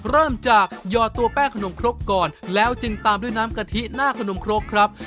เริ่มจากหยอดตัวแป้งขนมครกก่อนแล้วจึงตามด้วยน้ำกะทิหน้าขนมครกครับ